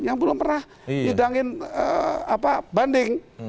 yang belum pernah sidangin banding